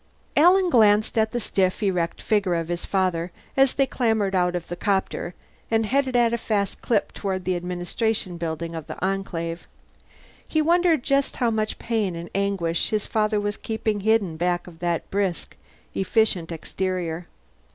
Alan glanced at the stiff, erect figure of his father as they clambered out of the copter and headed at a fast clip toward the Administration Building of the Enclave. He wondered just how much pain and anguish his father was keeping hidden back of that brisk, efficient exterior.